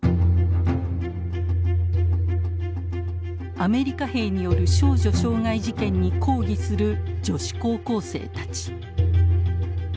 アメリカ兵による少女傷害事件に抗議する女子高校生たち。